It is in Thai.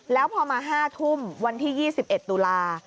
แล้วพอมา๕ทุ่มวันที่๒๑ตุลา